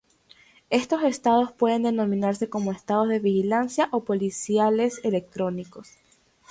Estos estados pueden denominarse como estados de vigilancia o policiales electrónicos.